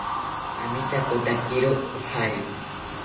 Amitakotakiro ojari